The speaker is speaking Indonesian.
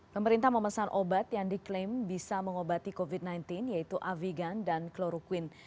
pemerintah memesan obat yang diklaim bisa mengobati covid sembilan belas yaitu avigan dan kloroquine